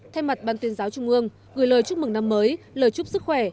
thay mặt ban tuyên giáo trung ương gửi lời chúc mừng năm mới lời chúc sức khỏe